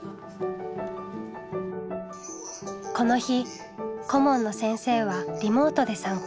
この日顧問の先生はリモートで参加。